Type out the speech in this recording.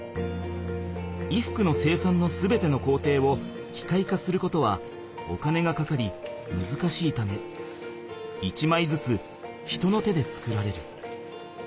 衣服の生産の全てのこうていをきかい化することはお金がかかりむずかしいため１まいずつ人の手で作られる。